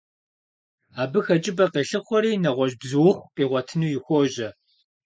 Абы хэкӀыпӀэ къелъыхъуэри нэгъуэщӀ бзуухъу къигъуэтыну хуожьэ.